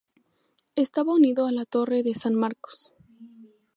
Estaba unido a la Torre de San Marcos.